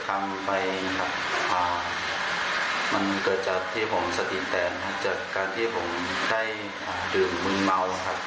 ผมก็ได้แบบทำสิ่งที่ไม่ดีไม่งันเพื่อกับผู้กันโรงพยาบาลครับ